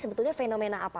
sebetulnya fenomena apa